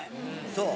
そう。